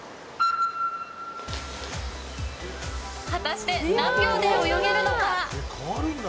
果たして何秒で泳げるのか。